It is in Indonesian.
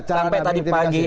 sampai tadi pagi